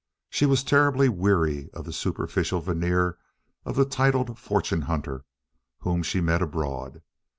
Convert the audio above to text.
She was terribly weary of the superficial veneer of the titled fortune hunter whom she met abroad.